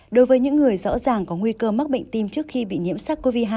đối với những người rõ ràng có nguy cơ mắc bệnh tim trước khi bị nhiễm sars cov hai